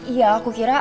ya aku kira